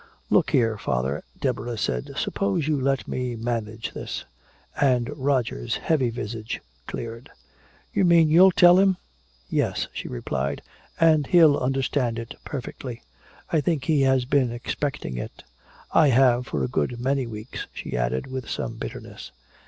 "Look here, father," Deborah said, "suppose you let me manage this." And Roger's heavy visage cleared. "You mean you'll tell him?" "Yes," she replied, "and he'll understand it perfectly. I think he has been expecting it. I have, for a good many weeks," she added, with some bitterness.